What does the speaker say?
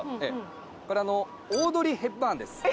これオードリー・ヘプバーンです。